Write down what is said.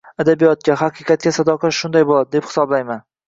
Adabiyotga, haqiqatga sadoqat shunday bo‘ladi, deb hisoblayman.